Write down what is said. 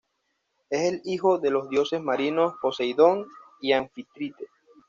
Es el hijo de los dioses marinos Poseidón y Anfítrite.